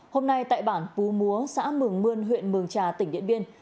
hôm nay tại bản phú múa xã mường mươn huyện mường trà tỉnh điện biên